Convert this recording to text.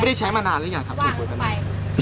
ไม่ได้ใช้มานานหรือยังครับสูตรปุ๋ย